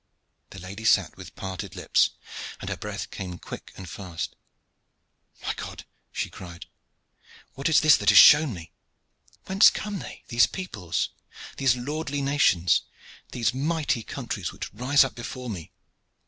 The lady sat with parted lips, and her breath came quick and fast. "My God!" she cried, "what is this that is shown me? Whence come they, these peoples, these lordly nations, these mighty countries which rise up before me?